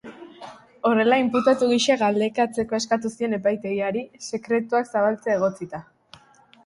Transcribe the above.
Horrela, inputatu gisa galdekatzeko eskatu zion epaitegiari, sekretuak zabaltzea egotzita.